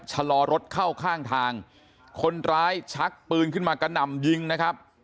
ชะลอรถเข้าข้างทางคนร้ายชักปืนขึ้นมากระหน่ำยิงนะครับ